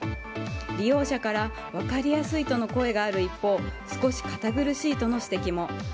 利用者から分かりやすいとの声がある一方少し堅苦しいとの指摘も。